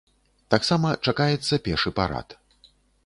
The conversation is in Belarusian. Таксама чакаецца пешы парад.